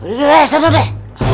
aduh di sana deh